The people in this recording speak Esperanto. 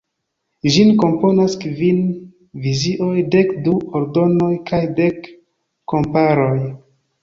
Ĝin komponas kvin vizioj, dek du “Ordonoj” kaj dek “komparoj”.